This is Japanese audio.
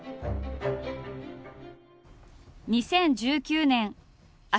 ２０１９年朝